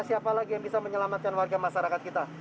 siapa lagi yang bisa menyelamatkan warga masyarakat kita